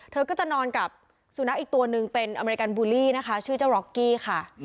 เธอก็จะนอนกับสุนัขอีกตัวนึงเป็นอเมริกันบูลลี่นะคะชื่อเจ้าล็อกกี้ค่ะ